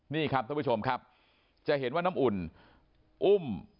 นี่ครับท่านผู้ชมครับจะเห็นว่าน้ำอุ่นอุ้ม